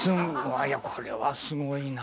これはすごいな。